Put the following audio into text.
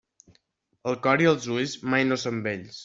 El cor i els ulls mai no són vells.